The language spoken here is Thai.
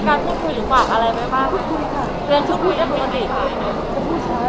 ก็ประกอบความคิดขึ้นชักหนึ่ง